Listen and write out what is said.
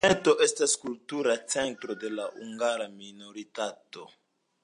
La departemento estas kultura centro de la hungara minoritato.